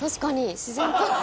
自然と。